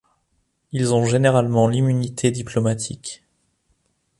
Ils ont généralement l'immunité diplomatique.